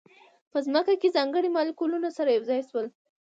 په ځمکه کې ځانګړي مالیکولونه سره یو ځای شول.